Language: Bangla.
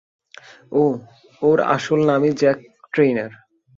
ওহ, ওর আসল নামই জ্যাক ট্রেইনার।